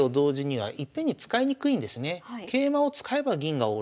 はい。